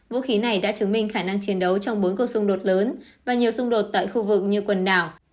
vũ khí này đã chứng minh khả năng chiến đấu trong bốn cuộc xung đột lớn và nhiều xung đột tại khu vực như quần đảo